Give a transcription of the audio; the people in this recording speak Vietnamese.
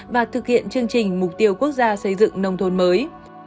và thực hiện chương trình mục tiêu quốc gia xây dựng nông thôn mới